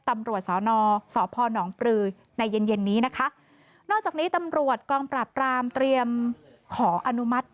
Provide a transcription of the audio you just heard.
ตำรวจสอนอสพนปลือในเย็นเย็นนี้นะคะนอกจากนี้ตำรวจกองปราบรามเตรียมขออนุมัติ